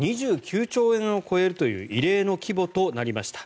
２９兆円を超えるという異例の規模となりました。